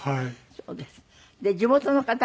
そうですか。